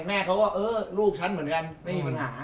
แม่เขาก็เออลูกฉันเหมือนกันไม่มีปัญหา